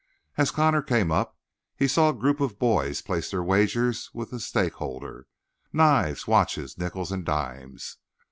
As Connor came up he saw a group of boys place their wagers with a stakeholder knives, watches, nickels and dimes.